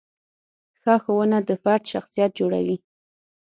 ښه ښوونه د فرد شخصیت جوړوي.